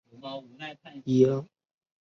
是当地的一个重要的文化中心。